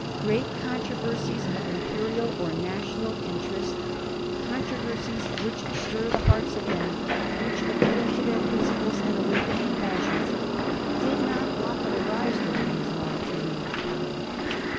Great controversies of imperial or national interest — controversies which stir the hearts of men, which appeal to their principles and awaken their passions — did not often arise during his long tenure of power.